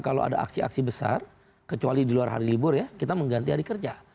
kalau ada aksi aksi besar kecuali di luar hari libur ya kita mengganti hari kerja